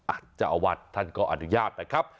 เจ้าอาวาสท่านก็อนุญาตนะครับ